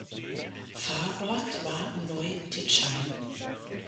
Pfarrort war Neutitschein.